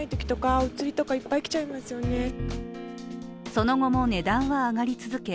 その後も値段は上がり続け、